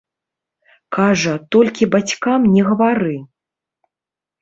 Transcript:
Кажа, толькі бацькам не гавары.